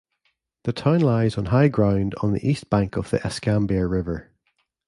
The town lies on high ground on the east bank of the Escambia River.